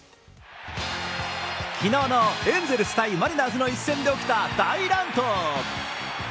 昨日のエンゼルス対マリナーズの一戦で起きた大乱闘。